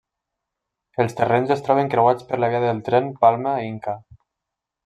Els terrenys es troben creuats per la via del tren Palma-Inca.